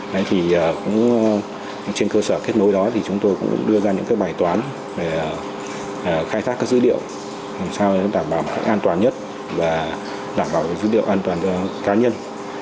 đấy thì cũng trên cơ sở kết nối đó thì chúng tôi cũng đưa ra những cái bài toán về khai thác các dữ liệu làm sao để đảm bảo an toàn nhất và đảm bảo dữ liệu an toàn cho cá nhân